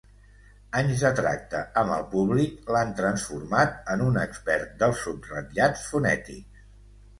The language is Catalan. Anys de tracte amb el públic l'han transformat en un expert dels subratllats fonètics.